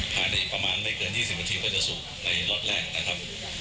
ผ่านได้ประมาณไม่เกิน๒๐วันทีก็จะสู่ในรถแรกนะครับ